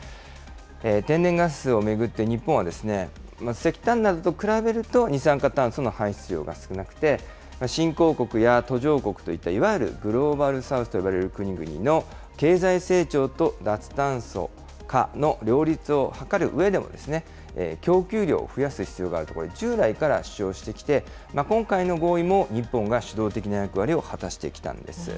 天然ガスを巡って日本は、石炭などと比べると、二酸化炭素の排出量が少なくて、新興国や途上国といったいわゆるグローバル・サウスといわれる国々の経済成長と脱炭素化の両立を図るうえでの供給量を増やす必要があると、これ、従来から主張してきて、今回の合意も日本が主導的な役割を果たしてきたんです。